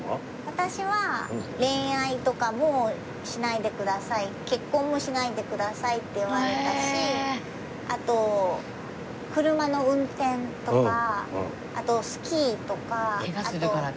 私は恋愛とかもしないでください結婚もしないでくださいって言われたしあと車の運転とかあとスキーとか。ケガするからかな？